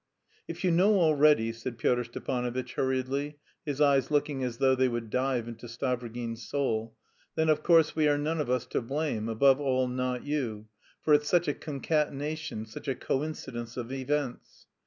"If you know already," said Pyotr Stepanovitch hurriedly, his eyes looking as though they would dive into Stavrogin's soul, "then, of course, we are none of us to blame, above all not you, for it's such a concatenation... such a coincidence of events...